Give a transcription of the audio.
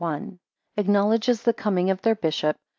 1 Acknowledges the coming of their bishop.